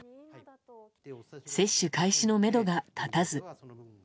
接種開始のめどが立たず。